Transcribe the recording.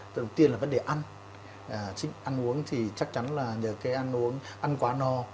thứ đầu tiên là vấn đề ăn ăn uống thì chắc chắn là nhờ cái ăn uống ăn quá no